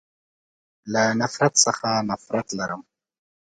له نفرت څخه نفرت ولری.